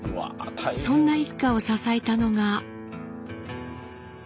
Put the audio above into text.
そんな一家を支えたのが。